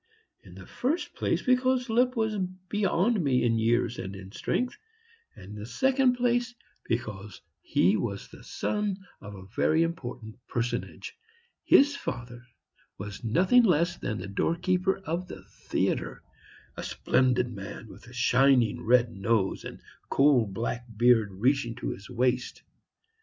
In the first place because Lipp was beyond me in years and in strength, and in the second place, because he was the son of a very important personage. His father was nothing less than the doorkeeper of the theatre; a splendid man with a shining red nose and coal black beard reaching to his waist.